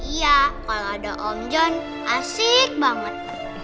iya kalo ada om john asik banget